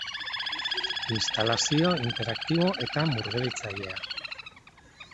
Instalazio interaktibo eta murgiltzailea.